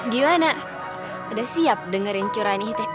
gimana udah siap dengerin curani isi hati gue